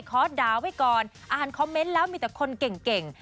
ขอดาวไว้ก่อนอ่านคอมเมนต์แล้วมีแต่คนเก่ง